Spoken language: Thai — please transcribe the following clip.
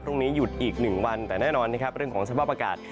พรุ่งนี้หยุดอีก๑วันแต่แน่นอนนะครับเรื่องของสภาพอากาศ